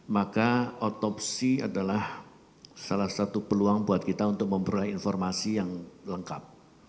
maka otopsi adalah salah satu peluang buat kita untuk memperoleh informasi yang lengkap